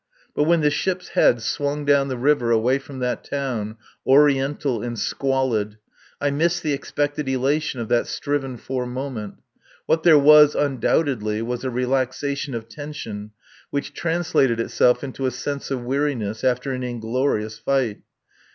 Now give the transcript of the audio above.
But when the ship's head swung down the river away from that town, Oriental and squalid, I missed the expected elation of that striven for moment. What there was, undoubtedly, was a relaxation of tension which translated itself into a sense of weariness after an inglorious fight.